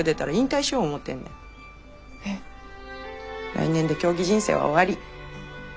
来年で競技人生は終わり。